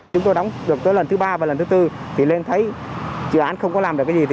chúng tôi đóng được tới lần thứ ba và lần thứ tư thì lên thấy dự án không có làm được cái gì